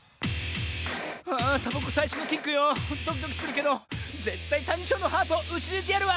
あサボ子さいしょのキックよドキドキするけどぜったいタニショーのハートをうちぬいてやるわ！